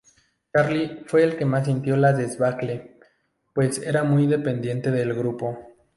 Charlie fue el que más sintió la debacle, pues era muy dependiente del grupo.